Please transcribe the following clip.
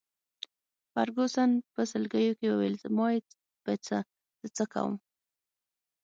فرګوسن په سلګیو کي وویل: زما يې په څه، زه څه کوم.